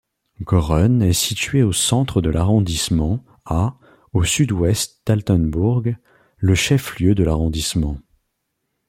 Göhren est située au centre de l'arrondissement, à au-sud-ouest d'Altenbourg, le chef-lieu de l'arrondissement.